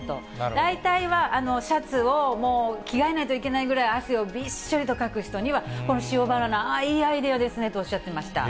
大体はシャツをもう着替えないといけないぐらい汗をびっしょりとかく人には、この塩バナナ、いいアイデアですねと、おっしゃってました。